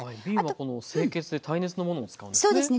瓶は清潔で耐熱のものを使うんですね。